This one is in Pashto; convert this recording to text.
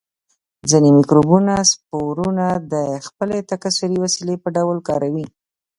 ځینې مکروبونه سپورونه د خپل تکثري وسیلې په ډول کاروي.